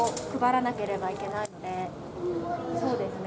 そうですね